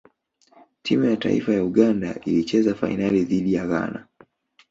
timu ya taifa ya uganda ilicheza fainali dhidi ya ghana